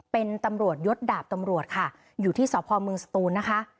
เป็นตำรวจยศดาบตำรวจค่ะอยู่ที่สพเมืองสตูนนะคะ